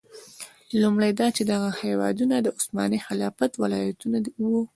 لومړی دا چې دغه هېوادونه د عثماني خلافت ولایتونه وو.